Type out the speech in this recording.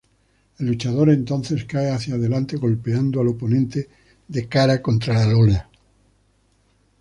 El luchador entonces cae hacia adelante, golpeando al oponente de cara contra la lona.